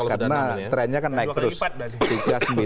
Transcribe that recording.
karena trennya kan naik terus